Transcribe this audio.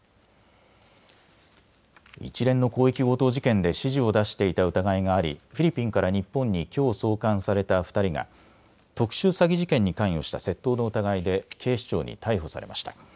一連の広域強盗事件で指示を出していた疑いがありフィリピンから日本にきょう送還された２人が特殊詐欺事件に関与した窃盗の疑いで警視庁に逮捕されました。